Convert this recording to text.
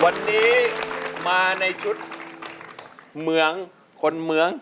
วันนี้มาในชุดเมืองคนเมือง